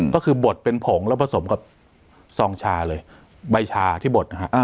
ก็คือบดเป็นผงแล้วผสมกับซองชาเลยใบชาที่บดนะฮะ